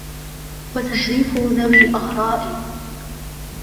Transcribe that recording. وَتَحْرِيفُ ذَوِي الْآرَاءِ